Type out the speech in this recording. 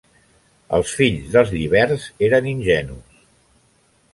Els fills dels lliberts eren Ingenus.